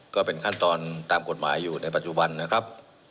ก็เป็นขั้นตอนตามกฎหมายอยู่ในปัจจุบันนะครับ